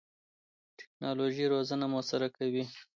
ټکنالوژي روزنه موثره کوي.